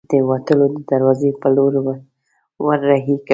د وتلو د دراوزې په لور ور هۍ کړل.